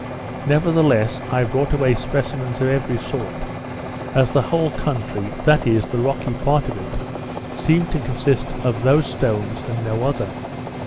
Nevertheless, I brought away specimens of every sort, as the whole country, that is, the rocky part of it, seemed to consist of those stones and no other.